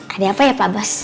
ada apa ya pak bas